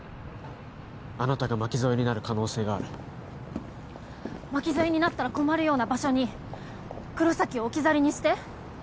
あなたが巻き添えになる可能性がある巻き添えになったら困るような場所に黒崎を置き去りにして？